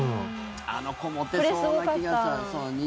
あの子、モテそうな気が。